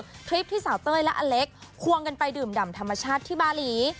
เป็นคลิปที่สาวเต้ยและอเล็กควงกันไปดื่มดำธรรมชาติที่บาหลี